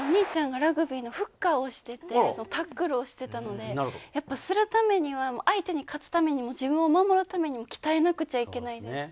お兄ちゃんがラグビーのフッカーをしていて、タックルをしていたので、するためには、相手に勝つために自分を守るためにも鍛えなくちゃいけない。